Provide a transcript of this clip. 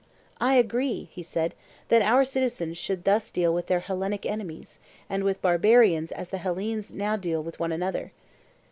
I agree, he said, that our citizens should thus deal with their Hellenic enemies; and with barbarians as the Hellenes now deal with one another.